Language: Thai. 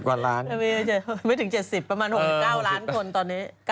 ๖๐กว่าร้านไม่ถึง๗๐ประมาณ๖๙ล้านคนตอนนี้เออค่ะ